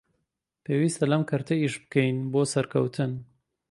پێویستە لەم کەرتە ئیش بکەین بۆ سەرکەوتن